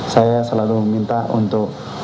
saya selalu minta untuk